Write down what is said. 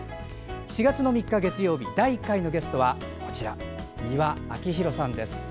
４月３日月曜日、第１回のゲストは美輪明宏さんです。